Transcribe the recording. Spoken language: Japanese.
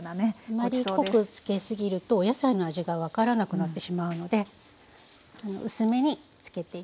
あまり濃く付けすぎるとお野菜の味が分からなくなってしまうので薄めに付けていきましょう。